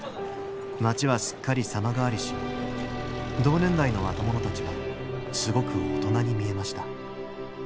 街はすっかり様変わりし同年代の若者たちはすごく大人に見えました。